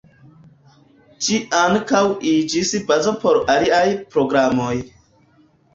Ĝi ankaŭ iĝis bazo por aliaj programoj.